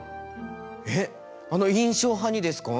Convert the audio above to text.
えっあの印象派にですか？